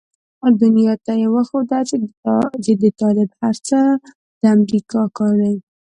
دنيا ته يې وښوده چې د طالب هر څه د امريکا کار دی.